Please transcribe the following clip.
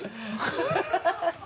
ハハハ